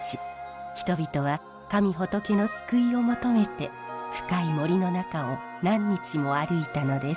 人々は神仏の救いを求めて深い森の中を何日も歩いたのです。